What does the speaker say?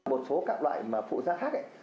một số các loại mà phụ gia khác ấy